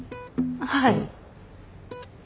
はい。